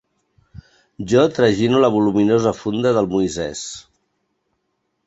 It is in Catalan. Jo tragino la voluminosa funda del Moisès.